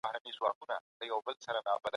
د کاغذ ارزونه له رنګ پېژندنې څخه ډېره اسانه ده.